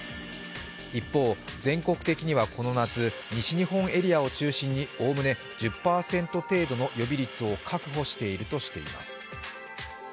一方、全国的にはこの夏、西日本エリアを中心に概ね１０％程度の予備率を確保しているとしています。